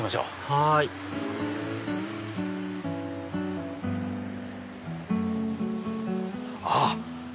はいあっ！